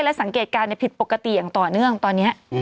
และสังเกตการณ์ผิดปกติอย่างต่อเนื่องตอนนี้